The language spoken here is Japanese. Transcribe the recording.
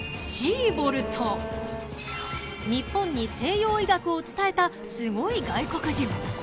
［日本に西洋医学を伝えたスゴい外国人］